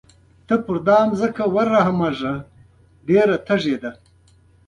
ته په دې ځمکه ورحمېږه ډېره تږې ده.